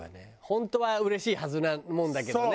本当はうれしいはずなもんだけどね。